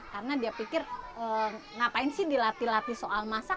karena dia pikir ngapain sih dilatih latih soal masak